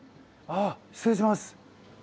あ失礼します。